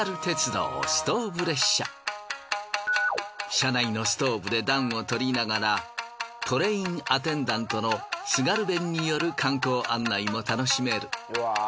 車内のストーブで暖をとりながらトレインアテンダントの津軽弁による観光案内も楽しめる。